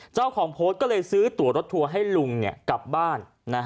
เจ้าของโพสต์ก็เลยซื้อตัวรถทัวร์ให้ลุงกลับบ้าน